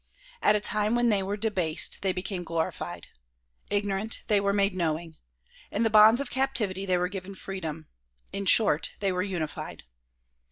At a time when they were debased they became glorified ; ignorant they were made knowing ; in the bonds of captivity they were given freedom; in short they were unified.